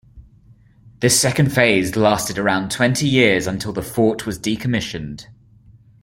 This second phase lasted around twenty years until the fort was decommissioned.